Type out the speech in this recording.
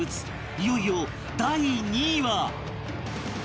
いよいよ第２位は